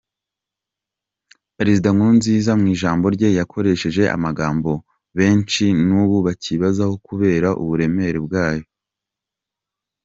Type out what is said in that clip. Perezida Nkurunziza mu ijambo rye yakoresheje amagambo benshi n’ubu bakibazaho kubera uburemere bwayo.